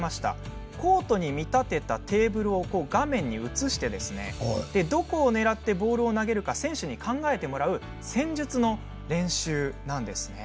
コートに見立てたテーブルを画面に映してどこを狙ってボールを投げるか選手に考えてもらう戦術の練習なんですね。